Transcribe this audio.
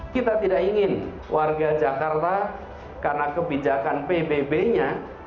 kita tidak ingin warga jakarta karena kebijakan pbb nya